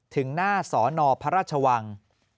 ถึงหน้าสอนอพระราชวัง